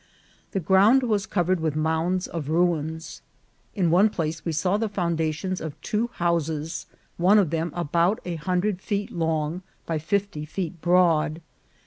The ground was covered with mounds of ruins. In one place we saw the foundations of two houses, one of them about a hundred feet long by fifty feet broad.